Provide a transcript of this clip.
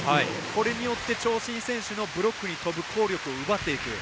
これによって長身選手のブロックに飛ぶ抗力を奪っていく。